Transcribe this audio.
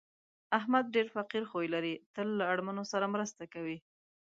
احمد ډېر فقیر خوی لري، تل له اړمنو سره مرسته کوي.